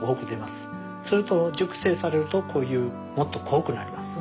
すると熟成されるとこういうもっと濃くなります。